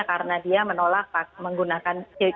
karena dia menolak menggunakan